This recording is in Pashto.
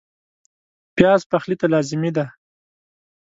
پیاز پخلي ته لازمي دی